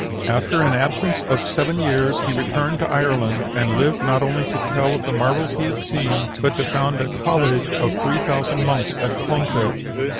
"After an absence of seven years he returned to Ireland, and lived not only to tell of the marvels he had seen, but to found a college of three thousand monks at Clonfert."